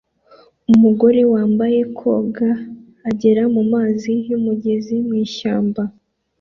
Umugore wambaye koga agera mumazi yumugezi mwishyamba